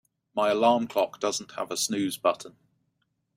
My alarm clock doesn't have a snooze button.